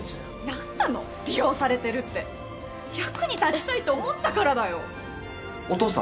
何なの、利用されてるって役に立ちたいと思ったからだよ。